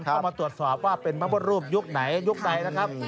เข้ามาตรวจสอบว่าเป็นพระพุทธรูปยุคไหนยุคใดนะครับ